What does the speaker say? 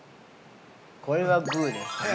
これはグーです。